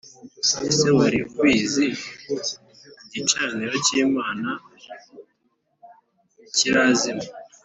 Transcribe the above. Ese wari ubizi Igicaniro cy’Imana ntikirazima